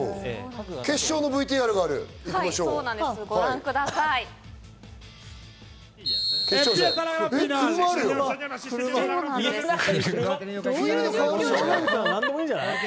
決勝のＶＴＲがあるそうです。